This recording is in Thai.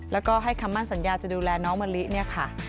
แล้วก็ให้คำมั่นสัญญาจะดูแลน้องมะลิเนี่ยค่ะ